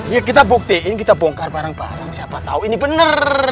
iya kita buktiin kita bongkar barang barang siapa tau ini bener